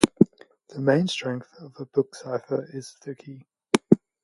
The main strength of a book cipher is the key.